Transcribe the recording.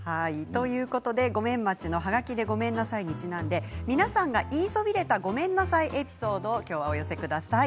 ということで後免町の「ハガキでごめんなさい」にちなんで皆さんが言いそびれたごめんなさいエピソードを今日はお寄せください。